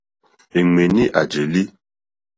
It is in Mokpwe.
È ɱwèní à jèlí.